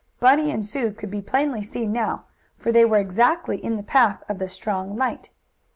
Bunny and Sue could be plainly seen now, for they were exactly in the path of the strong light.